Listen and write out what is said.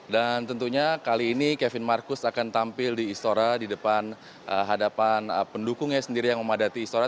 tentunya kali ini kevin marcus akan tampil di istora di depan hadapan pendukungnya sendiri yang memadati istora